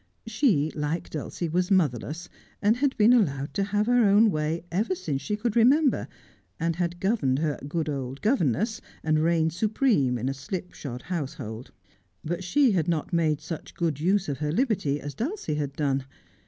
She, like Dulcie, was motherless, and had been allowed to have her own way ever since she could remember, and had governed her good old governess, and reigned supreme in a slip shod house hold. But she had not made such good use of her liberty as Dulcie had done.